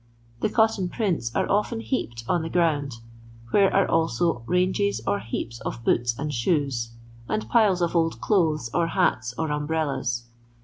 The cotton prints are often heaped on the ground; where are also ranges or heaps of boots and shoes, and piles of old clothes, or hats, or umbrellas.